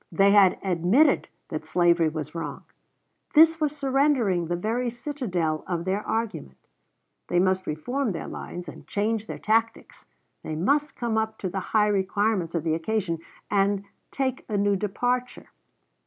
They had admitted that slavery was wrong. This was surrendering the very citadel of their argument. They must re form their lines and change their tactics. They must come up to the high requirements of the occasion and take a new departure.